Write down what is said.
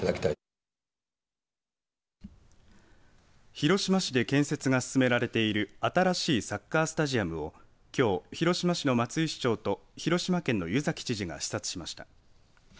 広島市で建設が進められている新しいサッカースタジアムをきょう広島市の松井市長と広島県の湯崎知事が視察しました。